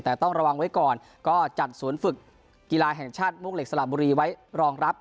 แต่ต้องระวังไว้ก่อนก็จัดศูนย์ฝึกกีฬาแห่งชาติมวกเหล็กสละบุรีไว้รองรับ